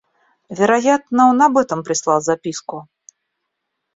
Вероятно, он об этом прислал записку.